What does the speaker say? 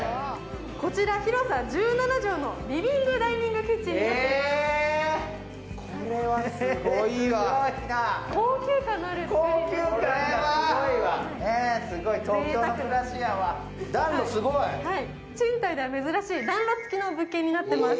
こちら、広さ１７畳のリビングダイニングキッチンになっています。